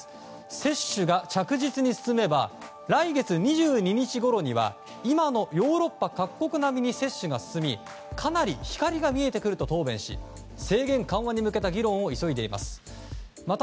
接種が着実に進めば来月２２日ごろには今のヨーロッパ各国並みに接種が進みかなり光が見えてくると答弁し制限緩和に向けた議論を急いでいます。